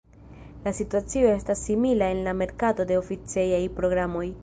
La situacio estas simila en la merkato de oficejaj programoj.